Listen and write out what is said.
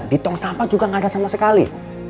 di tong sampah juga nggak ada sama sekali